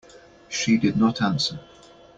She did not answer.